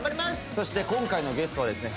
そして今回のゲストはですね